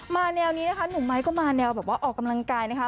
แนวนี้นะคะหนุ่มไม้ก็มาแนวแบบว่าออกกำลังกายนะคะ